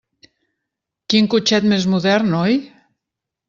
Quin cotxet més modern, oi?